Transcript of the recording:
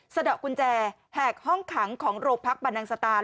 สะดอกกุญแจแหกห้องขังของโรงพักบรรนังสตาน